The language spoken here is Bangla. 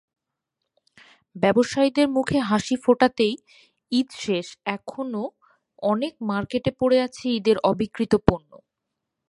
ব্যবসায়ীদের মুখে হাসি ফোটাতেঈদ শেষ, এখনো অনেক মার্কেটে পড়ে আছে ঈদের অবিক্রীত পণ্য।